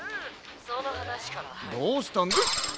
どうしたんヒッ！